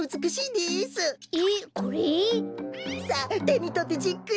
さあてにとってじっくりと。